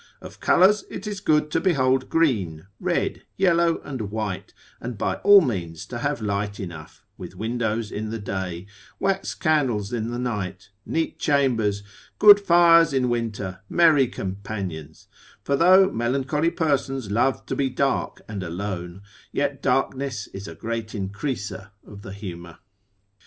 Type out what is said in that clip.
Of colours it is good to behold green, red, yellow, and white, and by all means to have light enough, with windows in the day, wax candles in the night, neat chambers, good fires in winter, merry companions; for though melancholy persons love to be dark and alone, yet darkness is a great increaser of the humour.